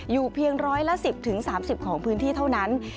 เพียงร้อยละ๑๐๓๐ของพื้นที่เท่านั้น